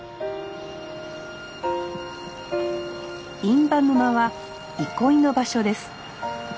印旛沼は憩いの場所です。